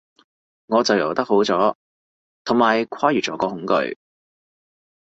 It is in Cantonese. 我就游得好咗，同埋跨越咗個恐懼